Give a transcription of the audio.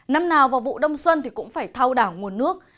năm nào vào vụ đông xuân thì cũng phải thao đảo nguồn nước